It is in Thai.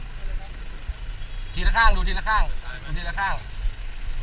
ดูทีละข้างดูทีละข้าง